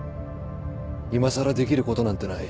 いまさらできることなんてない。